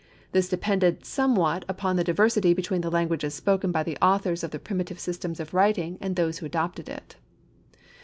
This depended somewhat upon the diversity between the languages spoken by the authors of the primitive system of writing and those who adopted it.